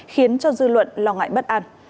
khiến cho dư luận lo ngại bất an